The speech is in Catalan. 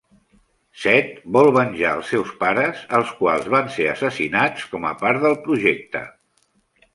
Zed vol venjar els seus pares, els quals van ser assassinats com a part del projecte.